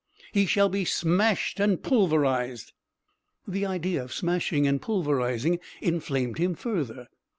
He shall be smashed and pulverised." The idea of smashing and pulverising inflamed him further.